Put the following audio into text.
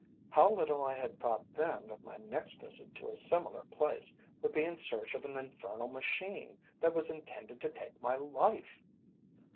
How little I had thought then that my next visit to a similar place would be in search of an infernal machine that was intended to take my life!